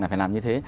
là phải làm như thế